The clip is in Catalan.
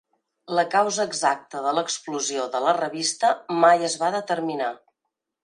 La causa exacta de l'explosió de la revista mai es va determinar.